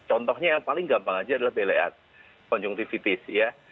contohnya yang paling gampang aja adalah bla conjunctivitis ya